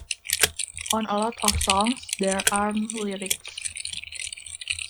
On a lot of songs, there aren't lyrics!